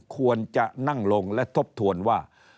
ควรจะนั่งลงและทบทวนว่า